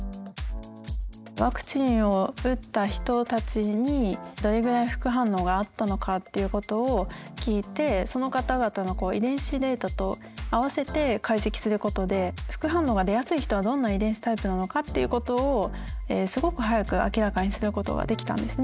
ワクチンを打った人たちにどれぐらい副反応があったのかっていうことをきいてその方々の遺伝子データと合わせて解析することで副反応が出やすい人はどんな遺伝子タイプなのかっていうことをすごく早く明らかにすることができたんですね。